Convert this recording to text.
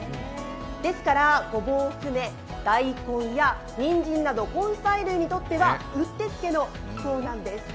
ですから、ごぼうを含め、大根やにんじんなど根菜類にとってはうってつけの気候なんです。